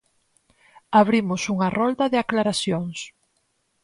Abrimos unha rolda de aclaracións.